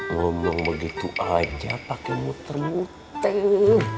ngomong begitu aja pake muter muter